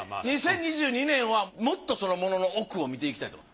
２０２２年はもっとそのものの奥を見ていきたい。